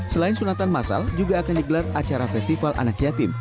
selain sunatan masal juga akan digelar acara festival anak yatim